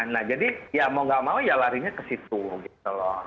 nah jadi ya mau gak mau ya larinya ke situ gitu loh